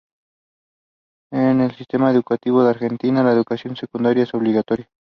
En el Sistema educativo de Argentina la educación secundaria es obligatoria.